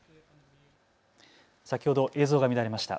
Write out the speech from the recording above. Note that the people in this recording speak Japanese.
先ほど映像が乱れました。